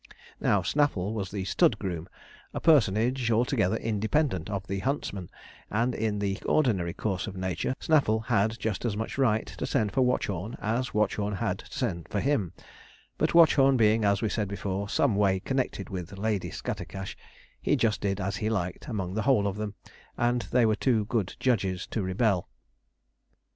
Now Snaffle was the stud groom, a personage altogether independent of the huntsman, and, in the ordinary course of nature, Snaffle had just as much right to send for Watchorn as Watchorn had to send for him; but Watchorn being, as we said before, some way connected with Lady Scattercash, he just did as he liked among the whole of them, and they were too good judges to rebel.